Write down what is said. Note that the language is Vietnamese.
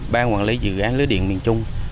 ban quản lý dự án lưới điện miền trung